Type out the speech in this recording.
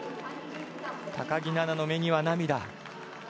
高木菜那の目には涙。